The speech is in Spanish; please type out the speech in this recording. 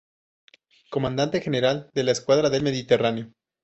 Comandante general de la escuadra del Mediterráneo.